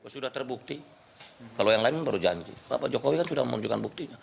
sudah terbukti kalau yang lain baru janji pak jokowi kan sudah menunjukkan buktinya